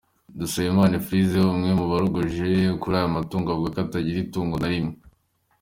Dusabimana Euphrasie, umwe mu borojwe kuri ayo matungo, avuga ko atagiraga itungo na rimwe.